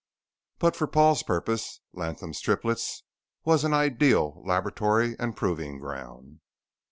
But for Paul's purpose, Latham's Triplets was an ideal laboratory and proving ground.